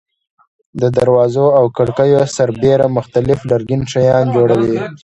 د دروازو او کړکیو سربېره مختلف لرګین شیان جوړوي.